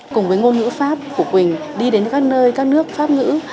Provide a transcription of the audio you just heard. cùng với ngôn ngữ pháp của quỳnh đi đến các nơi các nước pháp ngữ